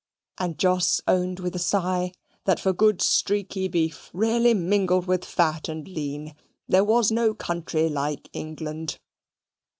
And Jos owned with a sigh, "that for good streaky beef, really mingled with fat and lean, there was no country like England."